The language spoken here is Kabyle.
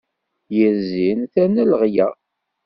Yir zzin terna leɣla.